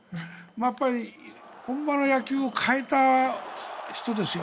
やっぱり、本場の野球を変えた人ですよ。